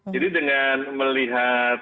jadi dengan melihat